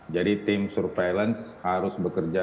jadi tim surveillance harus bekerja dengan baik